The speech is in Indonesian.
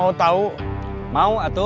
kamu nanti mau menunggang saya